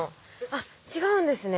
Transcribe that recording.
あっ違うんですね。